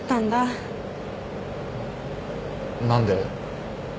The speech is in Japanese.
何で？